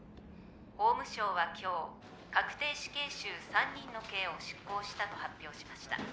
法務省は今日確定死刑囚３人の刑を執行したと発表しました。